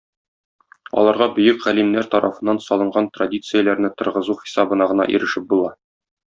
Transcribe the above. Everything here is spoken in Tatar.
Аларга бөек галимнәр тарафыннан салынган традицияләрне торгызу хисабына гына ирешеп була.